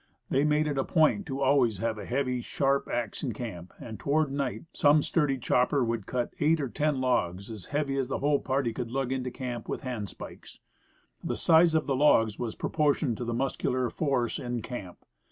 They made it a point to alway3 have a heavy sharp axe in camp, and toward night some sturdy chopper would cut eight or ten logs as heavy as the whole Roasted Out. 43 party could lug to camp with hand spikes. The size of the logs was proportioned to the muscular force in camp.